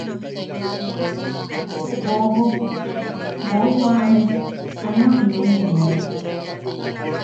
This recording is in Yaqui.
Ju boobok boʼojoame ameu inen jiak: